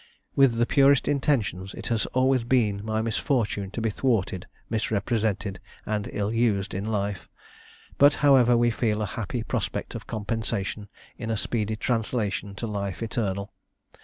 With the purest intentions, it has always been, my misfortune to be thwarted, misrepresented, and ill used in life; but, however, we feel a happy prospect of compensation in a speedy translation to life eternal.